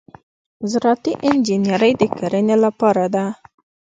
زراعتي انجنیری د کرنې لپاره ده.